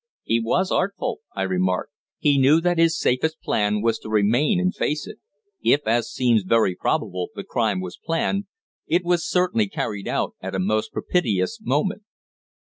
"He was artful," I remarked. "He knew that his safest plan was to remain and face it. If, as seems very probable, the crime was planned, it was certainly carried out at a most propitious moment."